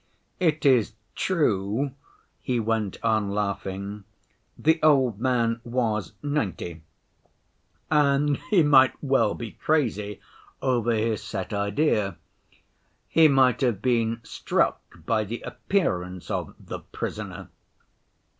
It is true," he went on, laughing, "the old man was ninety, and he might well be crazy over his set idea. He might have been struck by the appearance of the Prisoner.